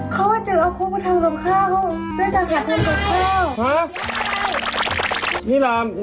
เขาว่าจะเอาโค๊กมาทำลมข้าวแล้วจะขัดทำกับโค๊ก